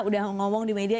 sudah ngomong di media